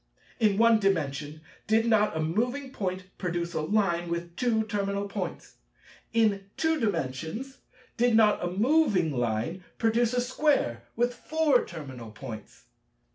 In One Dimension, did not a moving Point produce a Line with two terminal points? In Two Dimensions, did not a moving Line produce a Square with four terminal points?